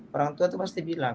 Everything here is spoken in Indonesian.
orang tua itu pasti bilang